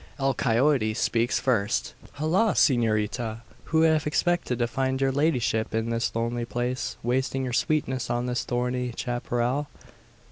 El Coyote speaks first. "H'la! S'norita, who'd have expected to find your ladyship in this lonely place wasting your sweetness on the thorny chapparal?"